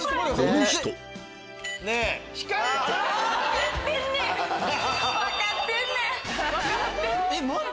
分かってんねん。